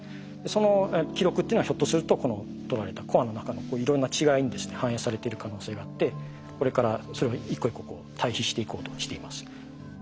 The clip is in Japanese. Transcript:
その記録っていうのはひょっとするとこの取られたコアの中のいろんな違いにですね反映されている可能性があってこれからそれを一個一個対比していこうとしています。